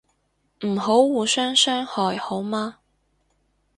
唔好互相傷害好嗎